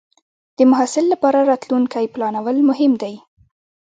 د محصل لپاره راتلونکې پلانول مهم دی.